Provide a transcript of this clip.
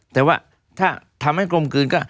แต่ว่าถ้าทำให้กลมกลืนก็